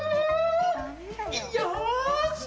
よし！